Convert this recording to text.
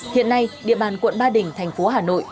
hiện nay địa bàn quận ba đình thành phố hà nội